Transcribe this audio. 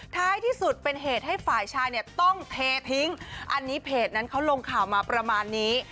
ท้ายที่สุดเป็นเหตุให้ฝ่ายชายเนี่ยต้องเททิ้งอันนี้เพจนั้นเขาลงข่าวมาประมาณนี้